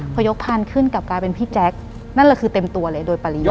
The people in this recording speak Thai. พอยกพันธุ์ขึ้นกลับกลายเป็นพี่แจ๊คนั่นแหละคือเต็มตัวเลยโดยปริยา